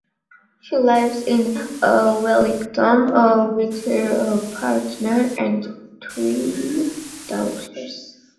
She lives in Wellington with her partner and twin daughters.